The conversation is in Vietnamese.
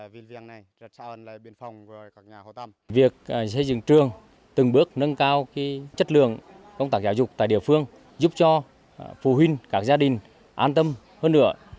việc xây dựng trường từng bước nâng cao chất lượng công tác giáo dục tại địa phương giúp cho phụ huynh các gia đình an tâm hơn nữa